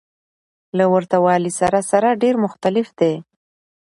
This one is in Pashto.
له ورته والي سره سره ډېر مختلف دى.